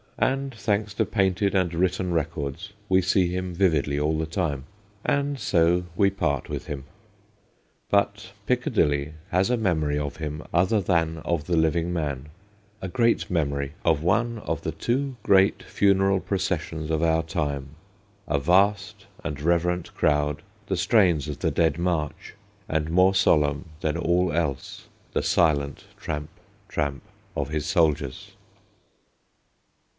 And, thanks to painted and written records, we see him vividly all the time. And so we part with him, but Piccadilly has a memory of him other than of the living man : a great memory of one of the two great funeral processions of our time : a vast and reverent crowd, the strains of the Dead March, and, more solemn than all else, the silent tramp, tramp of his soldiers.